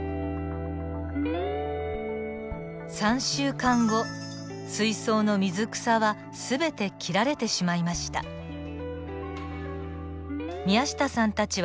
３週間後水槽の水草は全て切られてしまいました。